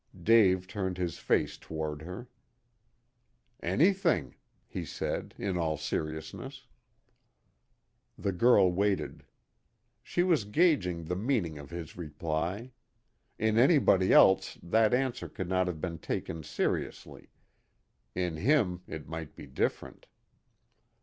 Dave turned his face toward her. "Anything," he said, in all seriousness. The girl waited. She was gauging the meaning of his reply. In anybody else that answer could not have been taken seriously. In him it might be different.